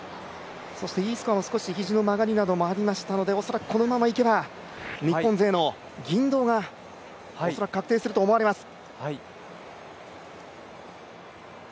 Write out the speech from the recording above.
そしてＥスコアも少し肘の曲がりもありましたので恐らく、このままいけば日本勢の銀銅が恐らく確定すると思います。